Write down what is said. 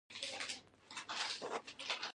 دا حقیقت له یاده ووځي چې کړنې هماغه دي چې پېښې شوې.